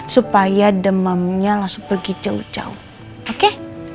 supaya demamnya langsung pergi jauh jauh oke